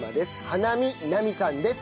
花見奈美さんです。